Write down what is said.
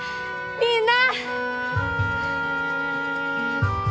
みんな！